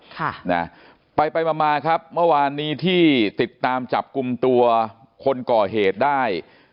ค่ะนะไปไปมามาครับเมื่อวานนี้ที่ติดตามจับกลุ่มตัวคนก่อเหตุได้